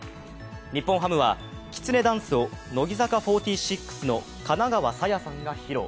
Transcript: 日本ハムはきつねダンスを乃木坂４６の金川紗耶さんが披露。